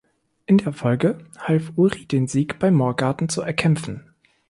In der Folge half Uri, den Sieg bei Morgarten zu erkämpfen.